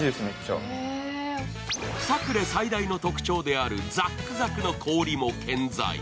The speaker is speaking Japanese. サクレ最大の特徴であるザックザクの氷も健在。